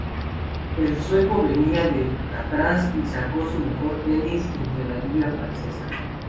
El sueco venía de atrás y sacó su mejor tenis entre la lluvia francesa.